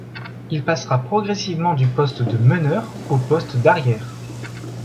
Il passera progressivement du poste de meneur au poste d’arrière.